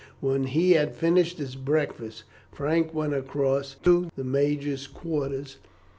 When he had finished his breakfast, Frank went across to the major's quarters.